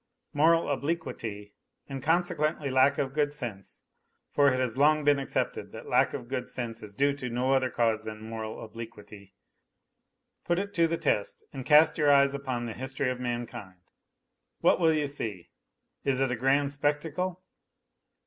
Moral obliquity and consequently lack of good sense; for it has long been accepted that lack of good sense is due to no other cause than moral obliquity. Put it to the test and cast your eyes upon the history of mankind. What will you see ? Is it a grand spectacle